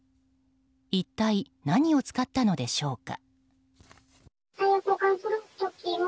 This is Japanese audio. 一体何を使ったのでしょうか。